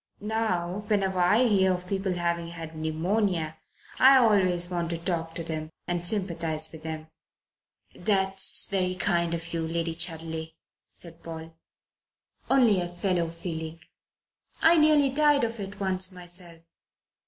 "Now, whenever I hear of people having had pneumonia I always want to talk to them and sympathize with them." "That's very kind of you, Lady Chudley," said Paul. "Only a fellow feeling. I nearly died of it once myself.